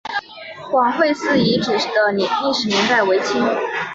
广惠寺遗址的历史年代为清。